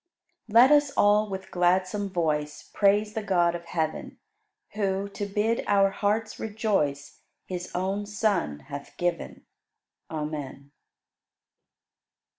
96. Let us all with gladsome voice Praise the God of heaven, Who, to bid our hearts rejoice, His own Son hath given. Amen.